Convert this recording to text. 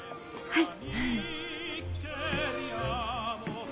はい。